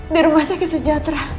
di rumah sakit sejahtera